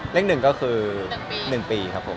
เรียกหนึ่งก็คือ๑ปีครับผม